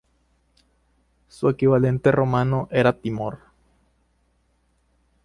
Su equivalente romano era Timor.